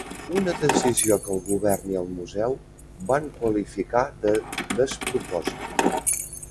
Una decisió que el govern i el museu van qualificar de ‘despropòsit’.